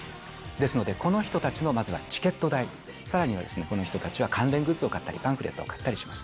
ですのでこの人たちのまずはチケット代、さらにはこの人たちは関連グッズを買ったり、パンフレットを買ったりします。